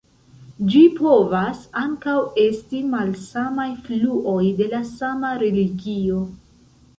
Ĝi povas ankaŭ esti malsamaj fluoj de la sama religio.